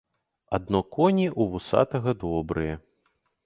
Адно коні ў вусатага добрыя.